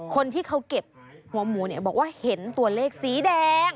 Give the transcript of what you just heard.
คนที่เขาเก็บหัวหมูเนี่ยบอกว่าเห็นตัวเลขสีแดง